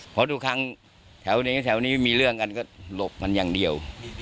เพราะทุกครั้งแถวนี้แถวนี้มีเรื่องกันก็หลบกันอย่างเดียว